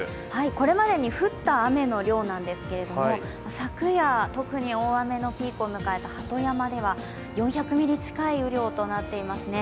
これまでに降った雨の量ですけれども、昨夜特に大雨のピークを迎えた鳩山では４００ミリ近い雨量となっていますね。